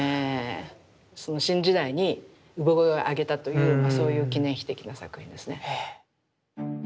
その新時代に産声を上げたというそういう記念碑的な作品ですね。